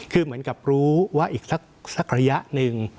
คือเหมือนกับรู้ว่าอีกสักระยะหนึ่ง